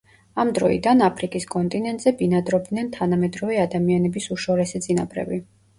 ამ დროიდან აფრიკის კონტინენტზე ბინადრობდნენ თანამედროვე ადამიანების უშორესი წინაპრები.